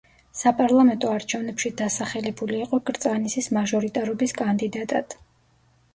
საპარლამენტო არჩევნებში დასახელებული იყო კრწანისის მაჟორიტარობის კანდიდატად.